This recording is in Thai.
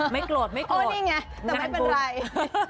ไม่โกรธงานพูดโอ้นี่ไงแต่ไม่เป็นไรหนึ่งหนึ่ง